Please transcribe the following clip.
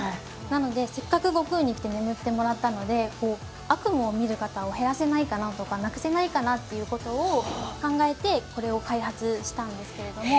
なのでせっかく悟空に来て眠ってもらったので悪夢を見る方を減らせないかなとかなくせないかなっていう事を考えてこれを開発したんですけれども。